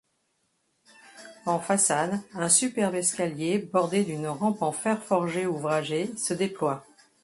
En façade, un superbe escalier bordé d'une rampe en fer forgé ouvragée se déploie.